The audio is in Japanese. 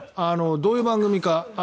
どういう番組か。